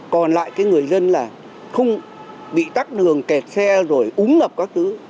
còn lại cái người dân là không bị tắt đường kẹt xe rồi úng ngập các thứ